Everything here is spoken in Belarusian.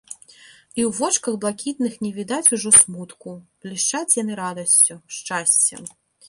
І ў вочках блакітных не відаць ужо смутку, блішчаць яны радасцю, шчасцем.